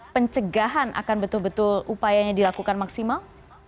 pencegahan akan betul betul upayanya dilakukan maksimal